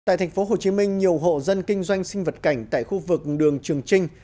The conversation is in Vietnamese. tại thành phố hồ chí minh nhiều hộ dân kinh doanh sinh vật cảnh tại khu vực đường trường trinh